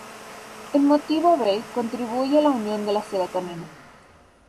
El Motivo B contribuye a la unión de la serotonina.